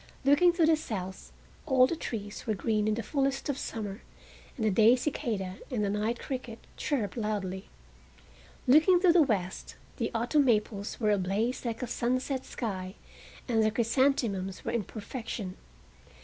Looking to the south all the trees were green in the fullness of summer, and the day cicala and the night cricket chirruped loudly. Looking to the west the autumn maples were ablaze like a sunset sky, and the chrysanthemums were in perfection.